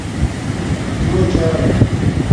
بِجوچھایݺ